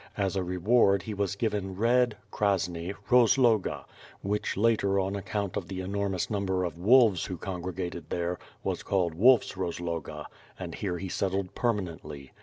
As a reward he was given Red (Krasne) Rozloga, which later on account of the enormous number of wolves who congregated there, was called WolPs Rozloga, and here he settled permanently.